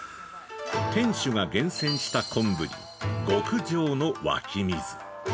◆店主が厳選した昆布に極上の湧き水。